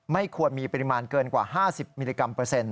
ไม่ควรมีปริมาณเกินกว่า๕๐มิลลิกรัมเปอร์เซ็นต